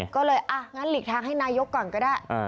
ก็เลยอ่ะงั้นหลีกทางให้นายกก่อนก็ได้